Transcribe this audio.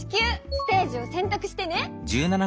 ステージをせんたくしてね！